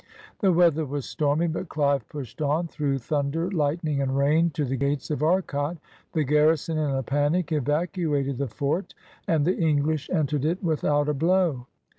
The weather was stormy; but Clive pushed on, through thunder, hghtning, and rain, to the gates of Arcot. The garrison, in a panic, evacuated the fort, and the English entered it without a blow.